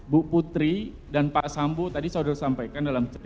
bu putri dan pak sambo tadi saudara sampaikan dalam cerita